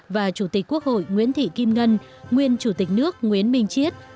và chủ tịch quốc hội nguyễn thị kim ngân nguyên chủ tịch nước nguyễn minh chiết